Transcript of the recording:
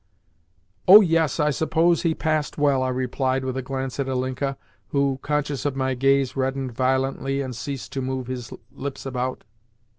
"Oh, yes, I suppose he passed well," I replied, with a glance at Ilinka, who, conscious of my gaze, reddened violently and ceased to move his lips about.